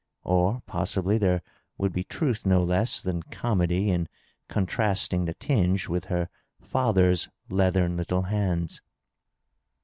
Or passibly there would be truth no less than comedy in contrasting the tinge with her father's leathern little hands.